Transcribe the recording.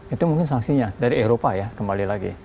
itu mungkin sanksinya dari eropa ya kembali lagi